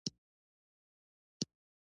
د افغانستان کرنه دودیزه ده.